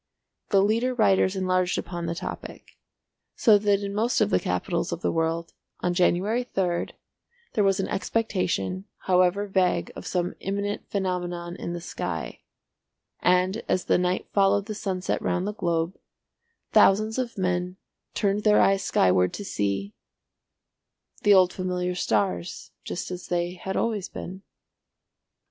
The leader writers enlarged upon the topic; so that in most of the capitals of the world, on January 3rd, there was an expectation, however vague of some imminent phenomenon in the sky; and as the night followed the sunset round the globe, thousands of men turned their eyes skyward to see—the old familiar stars just as they had always been.